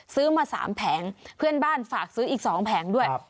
ซื้อมา๓แผงเพื่อนบ้านฝากซื้ออีก๒แผงด้วย